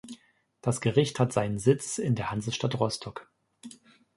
Das Gericht hat seinen Sitz in der Hansestadt Rostock.